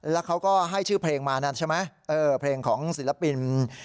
แล้วเขาก็ให้ชื่อเพลงมานั่นใช่ไหมเออเพลงของศิลปิน